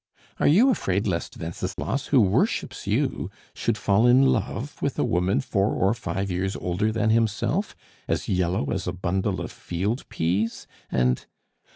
Are you afraid lest Wenceslas, who worships you, should fall in love with a woman four or five years older than himself, as yellow as a bundle of field peas, and